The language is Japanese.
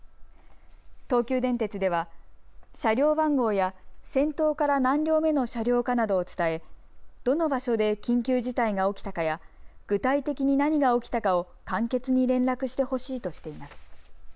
東急電鉄では車両番号や先頭から何両目の車両かなどを伝えどの場所で緊急事態が起きたかや具体的に何が起きたかを簡潔に連絡してほしいとしています。